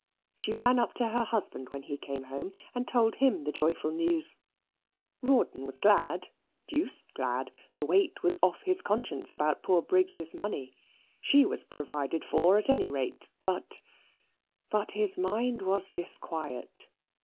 She ran up to her husband when he came home and told him the joyful news. Rawdon was glad, deuced glad; the weight was off his conscience about poor Briggs's money. She was provided for, at any rate, but but his mind was disquiet.